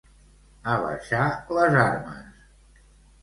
Abaixar les armes.